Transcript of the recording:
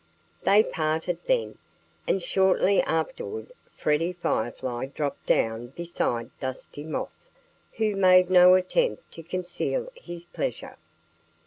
They parted then. And shortly afterward Freddie Firefly dropped down beside Dusty Moth, who made no attempt to conceal his pleasure.